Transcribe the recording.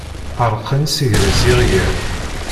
Ɛellqen isegras yeɣyal.